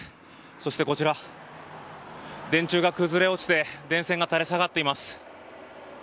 そして電柱が崩れ落ちて電線が垂れ下がっています。